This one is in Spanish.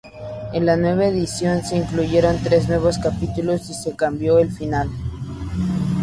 En la nueva edición se incluyeron tres nuevos capítulos y se cambió el final.